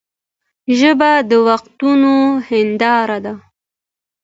ژبه د وختونو هنداره ده.